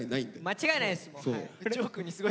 間違いないです。